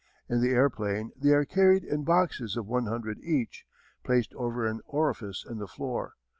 In the airplane they are carried in boxes of one hundred each, placed over an orifice in the floor.